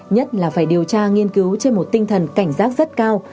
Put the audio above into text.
nhất là phải điều tra nghiên cứu trên một tinh thần cảnh giác rất cao